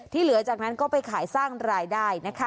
เหลือจากนั้นก็ไปขายสร้างรายได้นะคะ